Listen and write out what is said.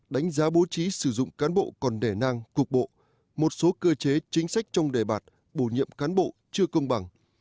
đánh giá bố trí sử dụng cán bộ còn đẻ ngang cục bộ một số cơ chế chính sách trong đề bạt bổ nhiệm cán bộ chưa công bằng